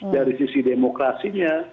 dari sisi demokrasinya